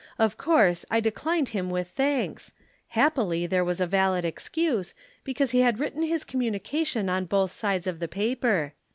Of course, I declined him with thanks; happily there was a valid excuse, because he had written his communication on both sides of the paper.